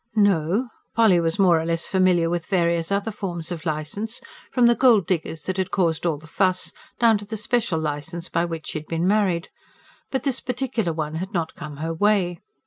No: Polly was more or less familiar with various other forms of licence, from the gold diggers' that had caused all the fuss, down to the special licence by which she had been married; but this particular one had not come her way.